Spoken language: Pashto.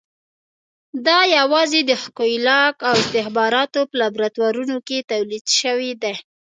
دا یوازې د ښکېلاک او استخباراتو په لابراتوارونو کې تولید شوي دي.